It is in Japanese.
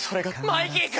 「マイキー君！」